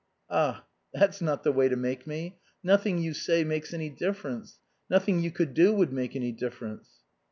"Ah, that's not the way to make me. Nothing you say makes any difference. Nothing you could do would make any difference."